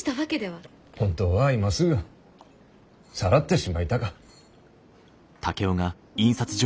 本当は今すぐさらってしまいたか。